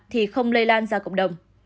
thì không lây lan ra cộng đồng